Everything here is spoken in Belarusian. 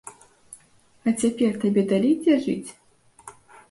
А цяпер табе далі дзе жыць?